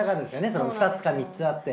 その２つか３つあって。